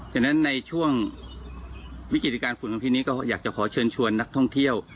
ฉะนั้นในช่วงวิกฤติการฝุ่นพินนี้ก็อยากจะขอเชิญชวนนักท่องเที่ยว